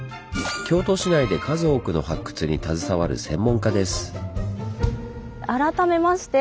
京都市内で数多くの発掘に携わる専門家です。